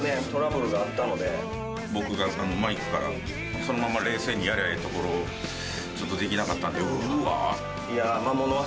僕がマイクからそのまま冷静にやりゃええところをちょっとできなかったんで。